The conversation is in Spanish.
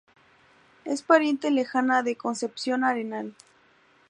Es pariente lejana de Concepción Arenal.